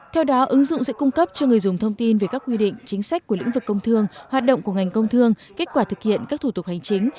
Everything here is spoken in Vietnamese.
theo đó ứng dụng sẽ cung cấp cho người dùng thông tin về các quy định chính sách của lĩnh vực công thương hoạt động của ngành công thương kết quả thực hiện các thủ tục hành chính